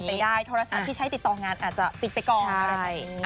จับเป็นไปได้โทรศัพท์ที่ใช้ติดต่องานอาจจะปิดไปก่อน